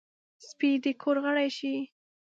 سپي د کور غړی شي.